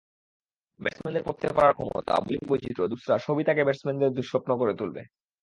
ব্যাটসম্যানদের পড়তে পারার ক্ষমতা, বোলিং বৈচিত্র্য, দুসরা—সবই তাঁকে ব্যাটসম্যানদের দুঃস্বপ্ন করে তুলবে।